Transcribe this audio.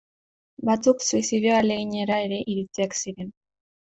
Batzuk suizidio ahaleginera ere iritsiak ziren.